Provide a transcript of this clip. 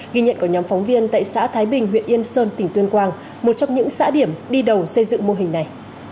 ghi nhận của nhóm phóng viên tại xã thái bình huyện yên sơn tỉnh tuyên quang một trong những xã điểm đi đầu xây dựng mô hình này